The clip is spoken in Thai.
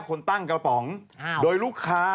คนตั้งกระป๋องโดยลูกค้า